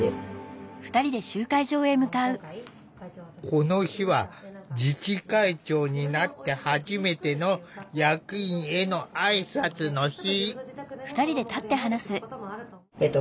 この日は自治会長になって初めての役員へのあいさつの日。